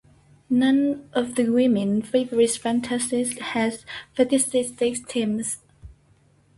None of the women's favorite fantasies had fetishistic themes.